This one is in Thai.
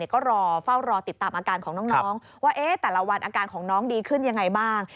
ก็รอเฝ้ารอติดตามอาการของน้องว่าแต่ละวันอาการของน้องดีขึ้นยังไงบ้าง